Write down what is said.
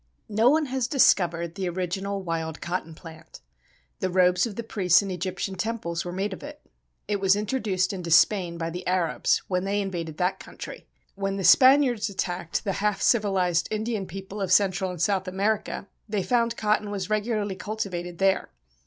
No one has discovered the original wild Cotton plant. The robes of the priests in Egyptian temples were made of it. It was introduced into Spain by the Arabs when they invaded that country. When the Spaniards attacked the half civilized Indian people of Central and South America, they found cotton was regularly cultivated there.